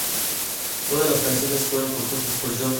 Todas las canciones fueron compuestas por John Foxx.